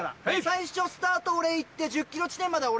最初スタート俺行って１０ｋｍ地点までは俺やるよ。